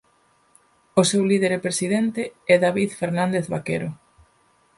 O seu líder e presidente é David Fernández Vaquero.